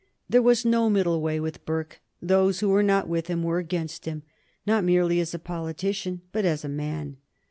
There was no middle way with Burke. Those who were not with him were against him, not merely as a politician, but as a man.